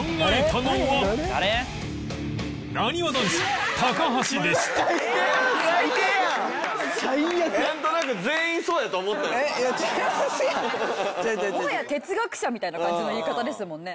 もはや哲学者みたいな感じの言い方ですもんね。